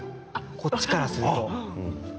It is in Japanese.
こっちからすると。